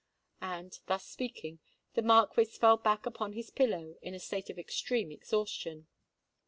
And, thus speaking, the Marquis fell back upon his pillow, in a state of extreme exhaustion.